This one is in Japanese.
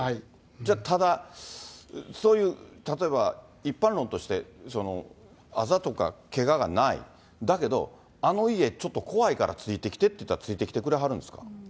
じゃあ、ただ、そういう例えば、一般論として、あざとか、けががない、だけど、あの家、ちょっと怖いからついてきてって言うたら聞いてくれはるんですか。